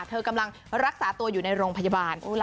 เธอกำลังรักษาตัวอยู่ในโรงพยาบาล